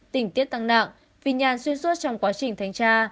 tình tiết tăng nặng vì nhàn xuyên suốt trong quá trình thanh tra